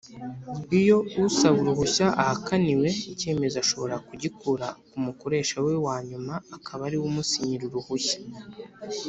Iyo usaba uruhushya ahakaniwe icyemezo ashobora kugikura ku mukoresha we wa nyuma akaba ariwe umusinyira uruhushya.